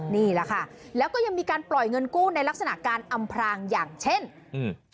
นี่แหละค่ะแล้วก็ยังมีการปล่อยเงินกู้ในลักษณะการอำพรางอย่างเช่นอืม